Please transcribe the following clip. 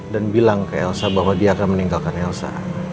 dan bilang ke elsa bahwa dia akan meninggalkan elsa